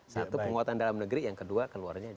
satu penguatan dalam negeri yang kedua keluarnya